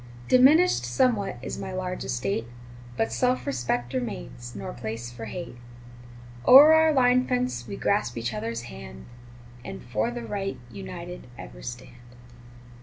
Diminished somewhat is my large estate, But self respect remains nor place for hate; O'er our line fence we grasp each other's hand, And for the right, united, ever stand.